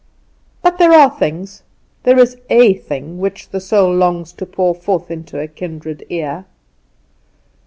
"But there are things, there is a thing, which the soul longs to pour forth into a kindred ear.